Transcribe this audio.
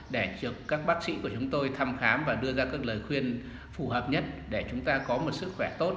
để các bác sĩ của chúng tôi thăm khám và đưa ra các lời khuyên phù hợp nhất để chúng ta có một sức khỏe tốt